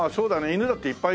犬だっていっぱい